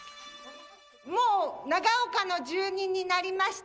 もう長岡の住民になりました。